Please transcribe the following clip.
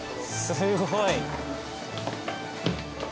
すごい。